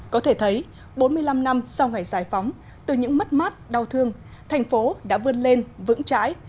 có thể thấy bốn mươi năm năm sau ngày giải phóng từ những mất mát đau thương thành phố đã vươn lên vững trái